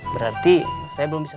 berarti saya belum bisa